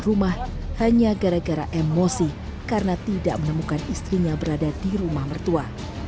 rumah hanya gara gara emosi karena tidak menemukan istrinya berada di rumah mertua